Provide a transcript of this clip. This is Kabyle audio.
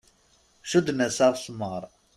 Cudden-as aɣesmar.